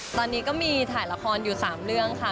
ตอนนี้ก็มีถ่ายละครอยู่๓เรื่องค่ะ